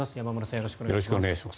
よろしくお願いします。